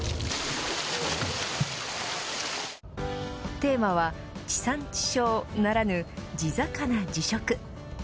テーマは地産地消ならぬ地魚地食。